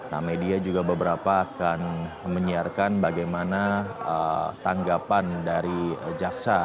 nah media juga beberapa akan menyiarkan bagaimana tanggapan dari jaksa